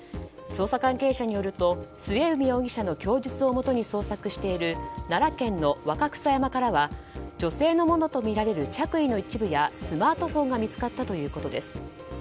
捜査関係者によると末海容疑者の供述をもとに捜索している奈良県の若草山からは女性のものとみられる着衣の一部やスマートフォンが見つかったということです。